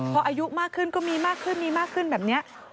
พออายุมากขึ้นก็มีมากขึ้นมีมากขึ้นแบบนี้